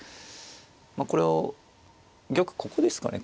これを玉ここですかね。